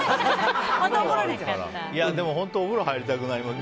でも、本当にお風呂入りたくなりますね。